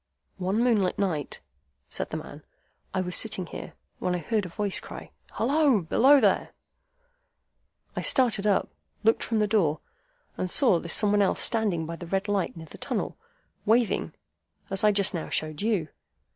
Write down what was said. "One moonlight night," said the man, "I was sitting here, when I heard a voice cry, 'Halloa! Below there!' I started up, looked from that door, and saw this Some one else standing by the red light near the tunnel, waving as I just now showed you.